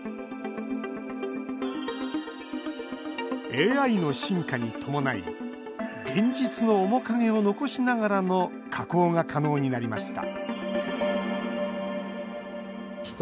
ＡＩの進化に伴い現実の面影を残しながらの加工が可能になりました。